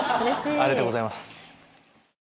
ありがとうございます。